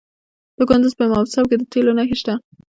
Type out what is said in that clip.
د کندز په امام صاحب کې د تیلو نښې شته.